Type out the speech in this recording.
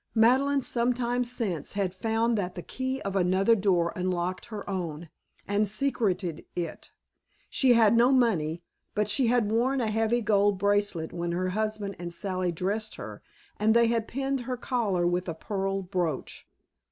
Madeleine, some time since, had found that the key of another door unlocked her own, and secreted it. She had no money, but she had worn a heavy gold bracelet when her husband and Sally dressed her and they had pinned her collar with a pearl brooch.